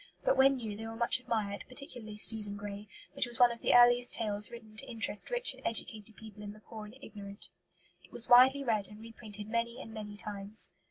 But when new they were much admired, particularly Susan Grey, which was one of the earliest tales written to interest rich and educated people in the poor and ignorant. It was widely read and reprinted many and many times.